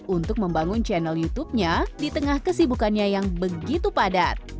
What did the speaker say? untuk membangun channel youtubenya di tengah kesibukannya yang begitu padat